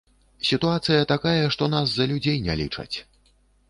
Сітуацыя такая, што нас за людзей не лічаць.